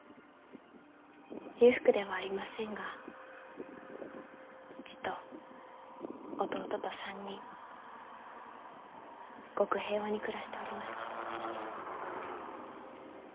裕福ではありませんが父と弟と３人ごく平和に暮らしておりました。